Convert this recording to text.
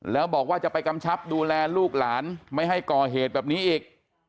แล้วบอกว่าจะไปกำชับดูแลลูกหลานไม่ให้ก่อเหตุแบบนี้อีก